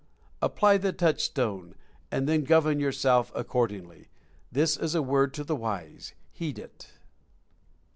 Apply the touch stone, and then govern yourself accordingly. This is a word to the Wise — heed it!